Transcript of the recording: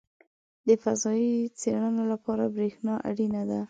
• د فضایي څېړنو لپاره برېښنا اړینه ده.